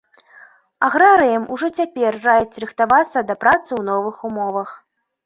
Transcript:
Аграрыям ужо цяпер раяць рыхтавацца да працы ў новых умовах.